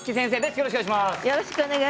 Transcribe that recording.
よろしくお願いします。